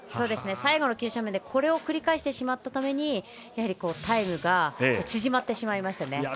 最後の急斜面でこれを繰り返してしまったせいでタイムが縮まってしまいましたね。